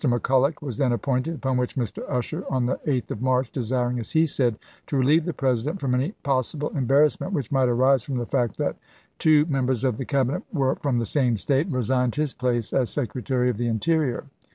McCulloch was then appointed ; upon which Mr. Usher, on the 8th of March, desiring, as he said, to relieve the President from any possible embarrassment which might arise from the fact that two members of the Cabinet were from the same State, resigned his place as Secretary of the Interior.